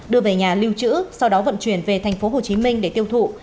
đưa về nhà lưu trữ sau đó vận chuyển về thành phố hồ chí minh để tiêu thụ